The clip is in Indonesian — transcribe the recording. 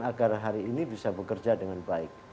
agar hari ini bisa bekerja dengan baik